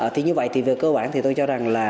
thì như vậy thì về cơ bản thì tôi cho rằng là